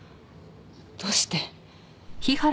どうして？